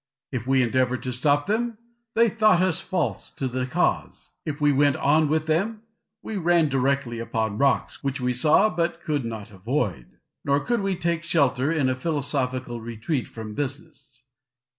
If we endeavoured to stop them, they thought us false to the cause; if we went on with them, we ran directly upon rocks, which we saw, but could not avoid. Nor could we take shelter in a philosophical retreat from business.